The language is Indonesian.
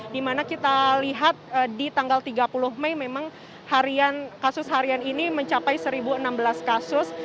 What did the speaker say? dimana kita lihat di tanggal tiga puluh mei memang kasus harian ini mencapai satu enam belas kasus